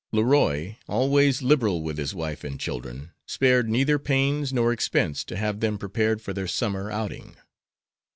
Leroy, always liberal with his wife and children, spared neither pains nor expense to have them prepared for their summer outing.